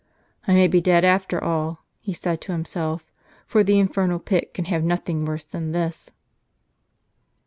"I may be dead, after all," he said to himself; "for the infernal pit can have nothing worse than this."